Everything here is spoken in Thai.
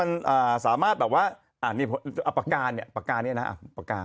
มันอ่าสามารถแบบว่าอ่านี่อัปการเนี้ยอัปการเนี้ยนะอ่าอัปการ